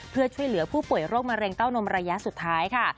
เพื่อช่วยเหลือผู้ป่วยโรคมะเร็งเต้านมระยะสุดท้ายค่ะ